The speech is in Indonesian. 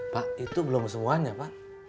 pak itu belum semuanya pak